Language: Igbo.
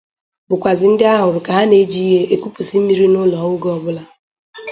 bụkwàzị ndị a hụrụ ka ha na-eji ihe ekupusi mmiri n'ụlọ ha oge ọbụla